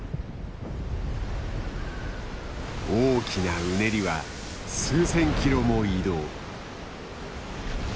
大きなうねりは数千キロも移動。